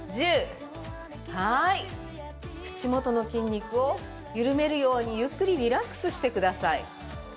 ◆口元の筋肉を緩めるようにゆっくりリラックスしてください。